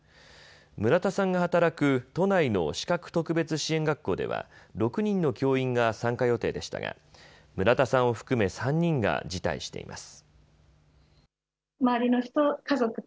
村田さんが働く都内の視覚特別支援学校では６人の教員が参加予定でしたが村田さんを含め３人が辞退しています。